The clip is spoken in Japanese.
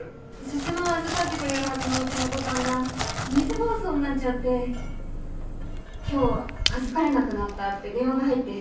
進を預かってくれるはずのおうちのお子さんが水ぼうそうになっちゃって今日預かれなくなったって電話が入って。